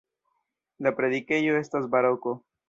La predikejo estas baroko.